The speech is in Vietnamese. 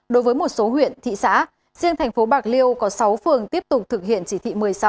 đối với một số huyện thị xã riêng tp cn có sáu phường tiếp tục thực hiện chỉ thị một mươi sáu